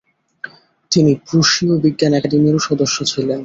তিনি প্রুশীয় বিজ্ঞান একাডেমিরও সদস্য ছিলেন।